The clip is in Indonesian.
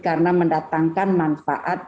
karena mendatangkan manfaat